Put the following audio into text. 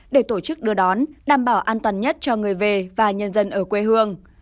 để tổ chức đưa đón đảm bảo an toàn nhất cho người về và nhân dân ở quê hương